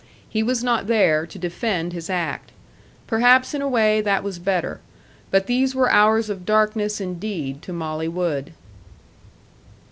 He was not there to defend his act. Perhaps in a way that was better. But these were hours of darkness indeed to Molly Wood.